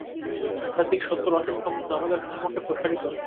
আধ্যাত্মিক সত্যের অসীম সমুদ্র আমাদের সম্মুখে প্রসারিত।